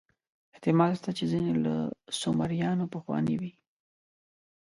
احتمال شته چې ځینې له سومریانو پخواني وي.